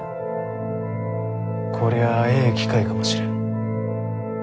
こりゃええ機会かもしれん。